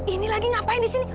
ini lagi ngapain di sini